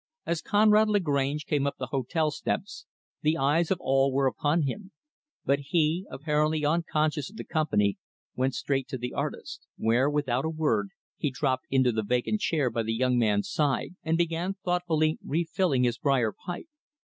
As Conrad Lagrange came up the hotel steps, the eyes of all were upon him; but he apparently unconscious of the company went straight to the artist; where, without a word, he dropped into the vacant chair by the young man's side, and began thoughtfully refilling his brier pipe.